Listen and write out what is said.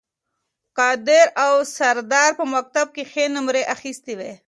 قادر او سردار په مکتب کې ښې نمرې اخیستې وې